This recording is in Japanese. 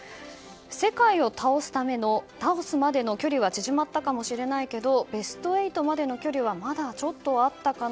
世界を倒すまでの距離は縮まったかもしれないけどベスト８までの距離はまだちょっとあったかな。